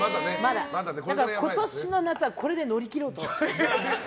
今年の夏はこれで乗り切ろうと。